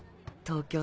東京